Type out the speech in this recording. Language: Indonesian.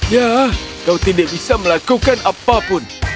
ya kau tidak bisa melakukan apapun